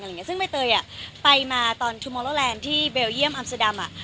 อย่างเงี้ยซึ่งเบ้ยเตยอ่ะไปมาตอนที่เบลเยี่ยมอัมสดัมอ่ะ